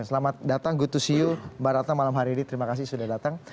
selamat datang good to show mbak ratna malam hari ini terima kasih sudah datang